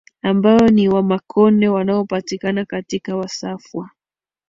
ambayo ni Wamakonde wanaopatikana katika Wasafwa